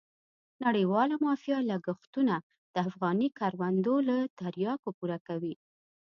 نړیواله مافیا لګښتونه د افغاني کروندو له تریاکو پوره کوي.